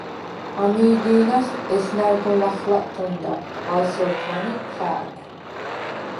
ამი̄ დი̄ნას ესნა̈რ გუნ ლახლატჷნდა ალ სორთმან ი ხა̄̈ქუ̂: